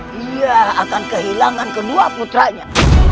dia akan kehilangan kedua putranya